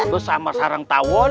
terus sama sarang tawon